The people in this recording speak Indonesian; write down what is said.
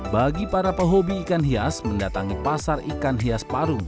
bagi para pehobi ikan hias mendatangi pasar ikan hias parung